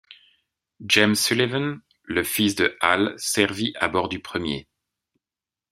James Sullivan, le fils de Al, servit à bord du premier.